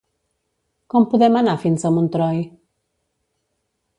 Com podem anar fins a Montroi?